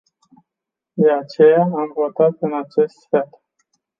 De aceea am votat în acest fel.